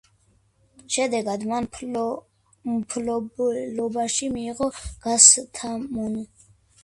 შედეგად მან მფლობელობაში მიიღო კასთამონუ.